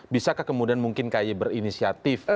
bisakah kemudian mungkin kay berinisiatif